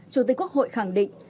chủ tịch quốc hội khẳng định